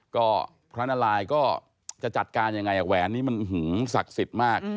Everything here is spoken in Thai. ก็พระนารายก็จะจัดการยังไงแหวนนี้มันศักดิ์สิทธิ์มาก